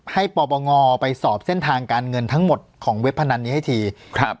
ปปงไปสอบเส้นทางการเงินทั้งหมดของเว็บพนันนี้ให้ทีครับ